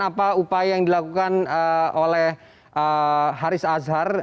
apa upaya yang dilakukan oleh haris azhar